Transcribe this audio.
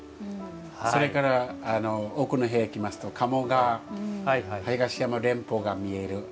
それから奥の部屋に行きますと鴨川東山連峰が見える。